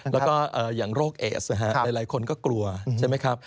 แล้วก็อย่างโรคเอสนะฮะหลายคนก็กลัวใช่ไหมครับ